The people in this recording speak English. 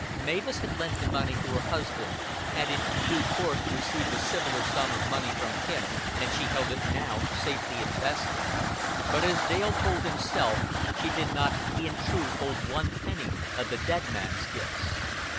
Mavis had lent the money to her husband, had in due course received a similar sum of money from him, and she held it now safely invested; but, as Dale told himself, she did not in truth hold one penny of the dead man's gifts.